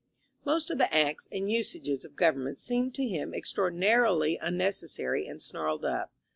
Most of the acts and usages of government seemed to him ex traordinarily unnecessary and snarled up.